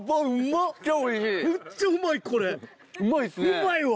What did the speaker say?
うまいわ。